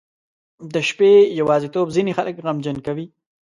• د شپې یوازیتوب ځینې خلک غمجن کوي.